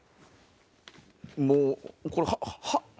もうこれはぁ？